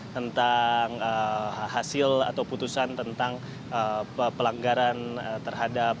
tentang hasil atau putusan tentang pelanggaran terhadap